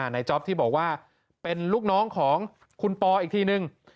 จ๊อปที่บอกว่าเป็นลูกน้องของคุณปออีกทีนึง